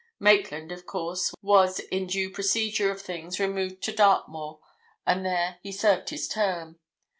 Maitland, of course, was in due procedure of things removed to Dartmoor, and there he served his term.